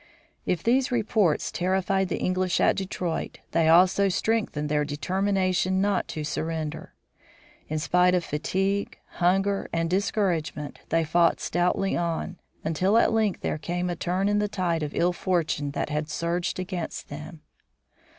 If these reports terrified the English at Detroit, they also strengthened their determination not to surrender. In spite of fatigue, hunger, and discouragement they fought stoutly on, until, at length, there came a turn in the tide of ill fortune that had surged against them.